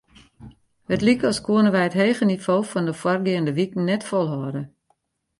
It like as koene wy it hege nivo fan de foargeande wiken net folhâlde.